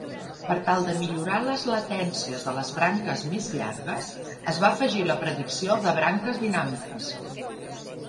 Per tal de millorar les latències de les branques més llargues, es va afegir la predicció de branques dinàmiques.